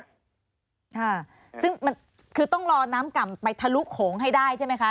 ค่ะซึ่งมันคือต้องรอน้ำก่ำไปทะลุโขงให้ได้ใช่ไหมคะ